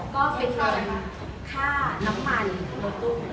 ก็เป็นค่าน้ำมันรถตู้